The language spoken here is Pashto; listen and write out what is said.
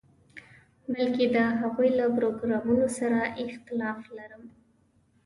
بلکې د هغوی له پروګرامونو سره اختلاف لرم.